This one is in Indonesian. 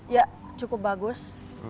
ya cukup bagus